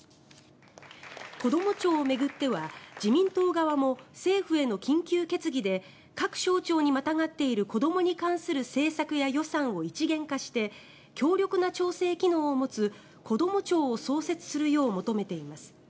こども庁を巡っては自民党側も政府への緊急決議で各省庁にまたがっている子どもに関する政策や予算を一元化して強力な調整機能を持つこども庁を創設するよう求めています。